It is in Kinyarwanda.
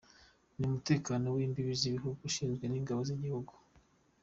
Ati “Umutekano w’imbibi z’igihugu urinzwe n’ingabo z’igihugu.